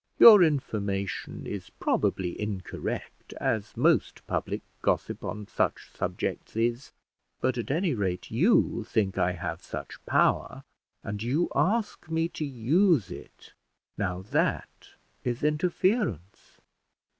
Your information is probably incorrect, as most public gossip on such subjects is; but, at any rate, you think I have such power, and you ask me to use it: now that is interference."